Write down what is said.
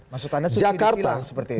maksud anda suci di silang seperti itu